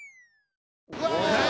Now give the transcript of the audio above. うわ！